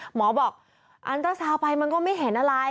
หมอบอกอันตราซาวไปมันก็ไม่เห็นอะไร